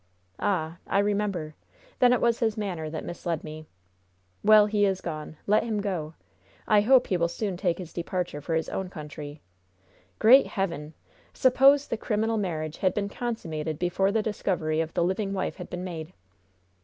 "Ah, I remember! Then it was his manner that misled me. Well, he is gone. Let him go. I hope he will soon take his departure for his own country. Great Heaven! Suppose the criminal marriage had been consummated before the discovery of the living wife had been made!